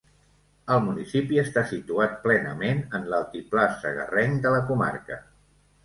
El municipi està situat plenament en l'altiplà segarrenc de la comarca.